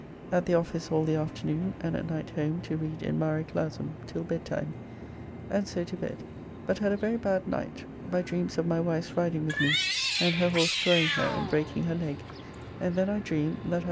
At the office all the afternoon, and at night home to read in "Mare Clausum" till bedtime, and so to bed, but had a very bad night by dreams of my wife's riding with me and her horse throwing her and breaking her leg, and then I dreamed that I..